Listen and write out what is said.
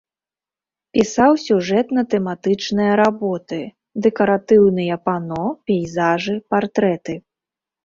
Пісаў сюжэтна-тэматычныя работы, дэкаратыўныя пано, пейзажы, партрэты.